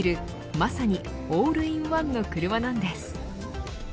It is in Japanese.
まさにオールインワンの車なんです。